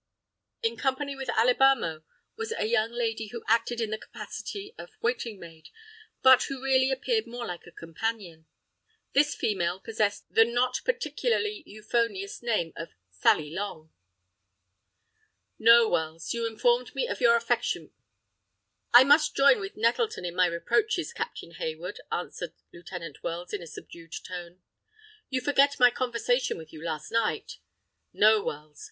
In company with Alibamo, was a young lady who acted in the capacity of waiting maid, but who really appeared more like a companion. This female possessed the not particularly euphonious name of Sally Long. "I must join with Nettleton in my reproaches, Captain Hayward," answered Lieutenant Wells, in a subdued tone. "You forget my conversation with you last night!" "No, Wells.